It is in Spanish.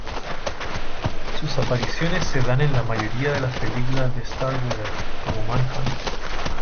Sus apariciones se dan en la mayoría de las películas de Starkweather, como Manhunt.